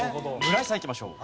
村井さんいきましょう。